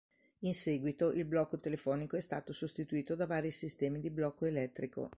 In seguito, il blocco telefonico è stato sostituito da vari sistemi di blocco elettrico.